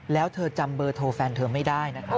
แล้วเธอจำเบอร์โทรแฟนเธอไม่ได้นะครับ